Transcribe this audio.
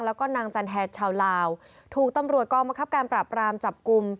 แล้วก็นางจันแฮดชาวลาวถูกตำรวจกองบังคับการปราบรามจับกลุ่ม